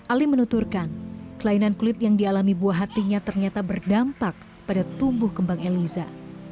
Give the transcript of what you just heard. ali menuturkan kelainan kulit yang dialami buah hatinya ternyata berdampak pada tumbuh kembang eliza